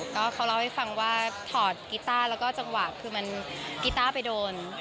ก็เขาเล่าให้ฟังว่าถอดกีต้าแล้วก็จังหวะคือมันกีต้าไปโดน